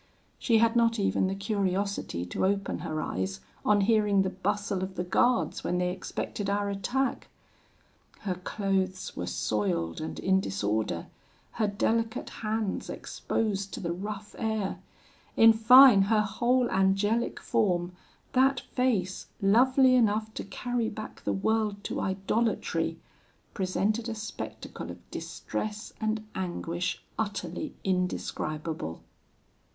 She had not even the curiosity to open her eyes on hearing the bustle of the guards when they expected our attack. Her clothes were soiled, and in disorder; her delicate hands exposed to the rough air; in fine, her whole angelic form, that face, lovely enough to carry back the world to idolatry, presented a spectacle of distress and anguish utterly indescribable.